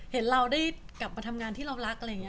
เห็นเราได้กลับมาทำงานที่เรารักอะไรอย่างนี้